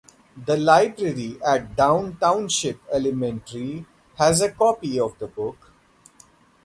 The library at Downe Township Elementary has a copy of the book.